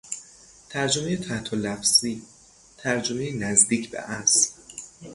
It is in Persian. ترجمهی تحتاللفظی، ترجمهی نزدیک به اصل